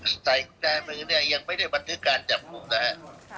ใส่กุญแจมือเนี่ยยังไม่ได้บันทึกการจับรูปนะครับ